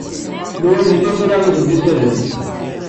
Nwan yella kra i sen-d-isaben.